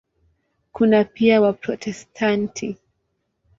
Kuna pia Waprotestanti.